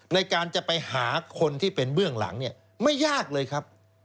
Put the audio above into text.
ในการจะไปหาคนที่เป็นเบื้องหลังเนี่ยไม่ยากเลยครับ